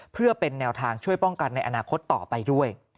เพื่อเป็นแนวทางช่วยป้องกันในอนาคตต่อไปด้วย